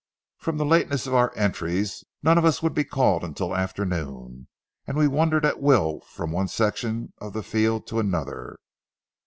From the lateness of our entries, none of us would be called until afternoon, and we wandered at will from one section of the field to another.